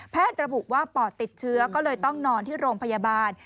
ระบุว่าปอดติดเชื้อก็เลยต้องนอนที่โรงพยาบาล